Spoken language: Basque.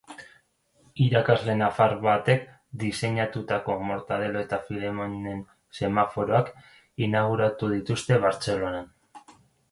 Irakasle nafar batek diseinatutako Mortadelo eta Filemonen semaforoak inauguratu dituzte Bartzelonan.